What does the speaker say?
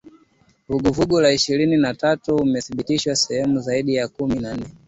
Vuguvugu la Ishirini na tatu wamedhibithi sehemu zaidi ya kumi na nne